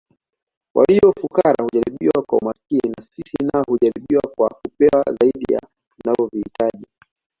Walio fukara hujaribiwa kwa umaskini sisi nao hujaribiwa kwa kupewa zaidi ya tunavyovihitaji